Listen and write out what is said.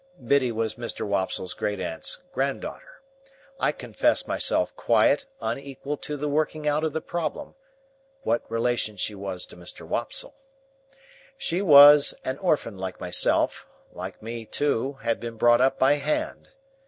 Biddy was Mr. Wopsle's great aunt's granddaughter; I confess myself quite unequal to the working out of the problem, what relation she was to Mr. Wopsle. She was an orphan like myself; like me, too, had been brought up by hand.